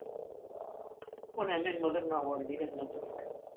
Hona hemen modernoagoak diren datuak.